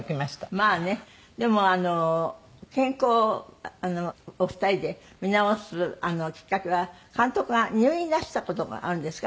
まあねでも健康をお二人で見直すきっかけは監督が入院なすった事があるんですか？